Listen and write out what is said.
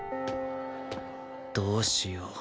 どうしよう。